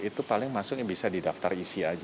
itu paling masuk yang bisa didaftar isi aja